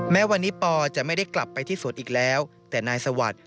แม้วันนี้ปอจะไม่ได้กลับไปที่สวนอีกแล้วแต่นายสวัสดิ์